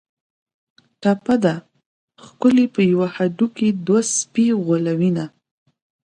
ټپه ده: ښکلي په یوه هډوکي دوه سپي غولوینه